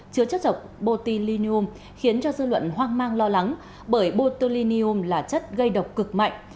chứa chất độc boltilinum khiến cho dư luận hoang mang lo lắng bởi botulinium là chất gây độc cực mạnh